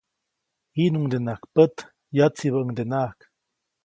Jiʼnuŋdenaʼajk pät, yatsibäʼuŋdenaʼajk.